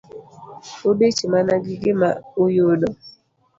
Udich mana gi gima uyudo.